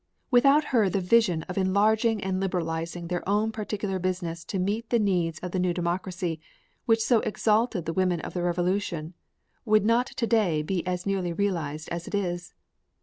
Without her the vision of enlarging and liberalizing their own particular business to meet the needs of the New Democracy which so exalted the women of the Revolution, would not to day be as nearly realized as it is.